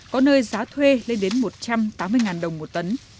có nơi giá thuê lên đến một trăm tám mươi đồng một tấn